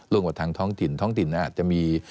กว่าทางท้องถิ่นท้องถิ่นอาจจะมี